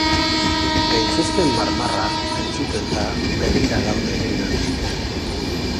Gaitzespen-marmarra entzuten da begira daudenengandik.